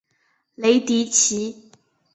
雷迪奇。